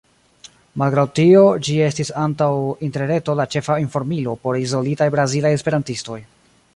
Malgraŭ tio ĝi estis antaŭ Interreto la ĉefa informilo por izolitaj brazilaj esperantistoj.